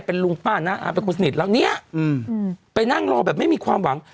เป็นลุงป้าน้าอาเป็นคนสนิทแล้วเนี้ยอืมไปนั่งรอแบบไม่มีความหวัง